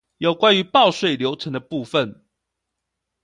有關於報稅流程的部分